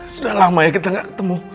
sudah lama ya kita gak ketemu